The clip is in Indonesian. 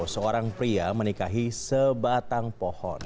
seorang pria menikahi sebatang pohon